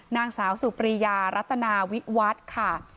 นางสาวสุปรียารัตนาวิวัฒน์ค่ะ